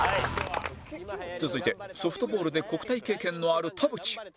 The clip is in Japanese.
続いてソフトボールで国体経験のある田渕